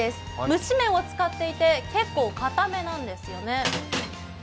蒸し麺を使っていて結構かためなんですよね。